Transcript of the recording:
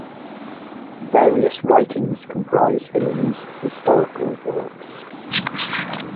Various writings comprise Hilary's 'historical' works.